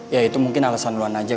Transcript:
ya itu mungkin alasan alasan aja